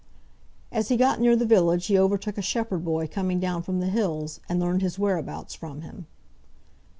As he got near the village he overtook a shepherd boy coming down from the hills, and learned his whereabouts from him.